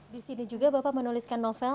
di sini juga bapak menuliskan novel